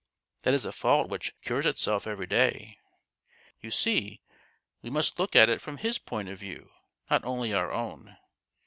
That is a fault which cures itself every day ! You see we must look at it from" his point of view, not only our own.